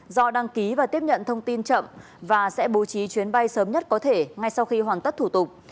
do đăng ký và tiếp nhận thông tin chậm và sẽ bố trí chuyến bay sớm nhất có thể ngay sau khi hoàn tất thủ tục